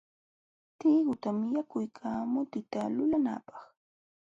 Trigutam yakuykaa mutita lulanaapaq.